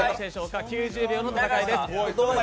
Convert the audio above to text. ９０秒の戦いです。